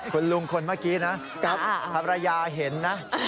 คุณลุงคนเมื่อกี้นะครับภรรยาเห็นนะ